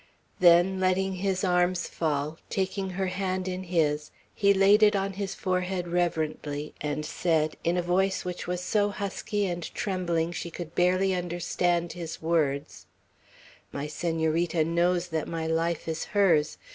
Then, letting his arms fall, taking her hand in his, he laid it on his forehead reverently, and said, in a voice which was so husky and trembling she could barely understand his words: "My Senorita knows that my life is hers.